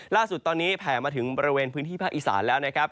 ล่าสุดตอนนี้แผ่มาถึงบริเวณพื้นที่ภาคอีสานแล้วนะครับ